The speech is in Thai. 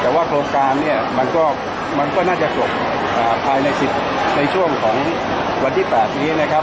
แต่ว่าโครงการเนี่ยมันก็น่าจะจบภายใน๑๐ในช่วงของวันที่๘นี้นะครับ